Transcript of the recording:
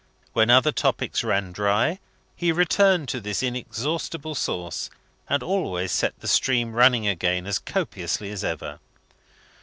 When other topics ran dry, he returned to this inexhaustible source, and always set the stream running again as copiously as ever.